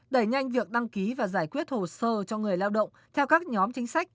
đẩy nhanh việc đăng ký và giải quyết hồ sơ cho người lao động theo các nhóm chính sách